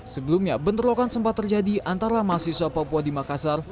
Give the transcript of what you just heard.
sebelumnya bentrokan sempat terjadi antara mahasiswa papua di makassar